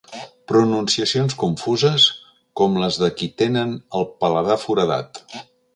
Pronunciacions confuses com les de qui tenen el paladar foradat.